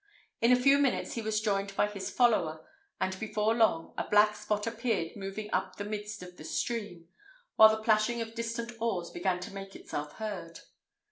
In a few minutes he was joined by his follower, and before long a black spot appeared moving up the midst of the stream, while the plashing of distant oars began to make itself heard.